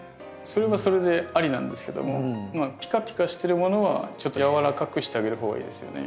それはそれでありなんですけどもまあピカピカしてるものはちょっとやわらかくしてあげる方がいいですよね。